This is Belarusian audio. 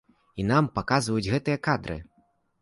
І нам паказваюць гэтыя кадры.